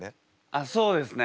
あっそうですね。